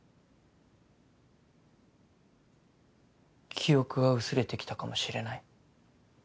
記憶が薄れてきたかもしれない？